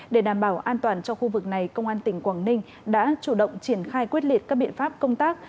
để đảm bảo an toàn cho khu vực này công an tỉnh quảng ninh đã chủ động triển khai quyết liệt các biện pháp công tác